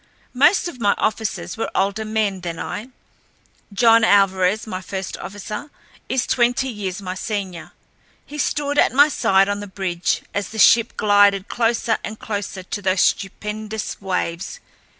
Most of my officers were older men than I. John Alvarez, my first officer, is twenty years my senior. He stood at my side on the bridge as the ship glided closer and closer to those stupendous waves.